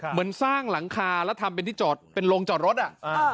เหมือนสร้างหลังคาแล้วทำเป็นที่จอดเป็นโรงจอดรถอ่ะ